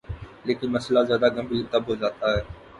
لیکن مسئلہ زیادہ گمبھیر تب ہو جاتا ہے۔